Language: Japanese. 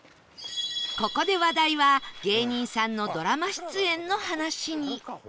ここで話題は芸人さんのドラマ出演の話に